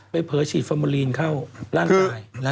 เผลอฉีดฟอร์โมลีนเข้าร่างกาย